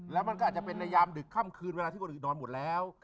แล้วมันก็อาจจะเป็นในยามดึกค่ำคืนเวลาที่คนอื่นนอนหมดแล้ว